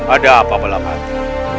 ada apa balam hati